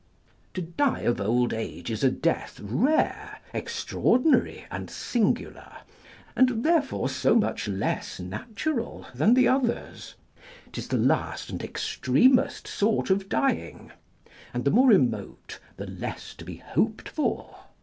To die of old age is a death rare, extraordinary, and singular, and, therefore, so much less natural than the others; 'tis the last and extremest sort of dying: and the more remote, the less to be hoped for.